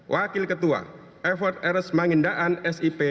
wakil ketua effort rs mangindaan s i p